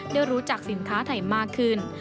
ได้รู้จักสินค้าไทยมากขึ้น